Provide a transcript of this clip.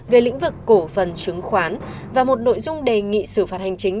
về lĩnh vực cổ phần chứng khoán và một nội dung đề nghị xử phạt hành chính